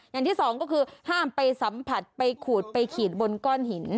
อย่างที่สองก็คือห้ามไปสัมผัสไปขูดไปขีดบนก้อนหิน